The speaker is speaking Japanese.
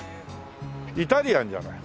イタリアンじゃない？